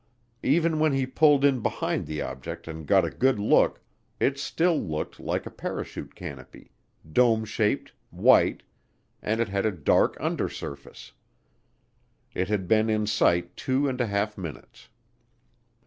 Even when he pulled in behind the object and got a good look, it still looked like a parachute canopy dome shaped white and it had a dark undersurface. It had been in sight two and a half minutes.